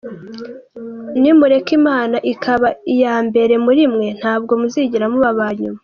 Nimureka Imana ikaba iya mbere muri mwe, ntabwo muzigera muba aba nyuma.